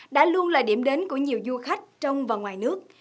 đã luôn là điểm đến của nhiều du khách trong và ngoài nước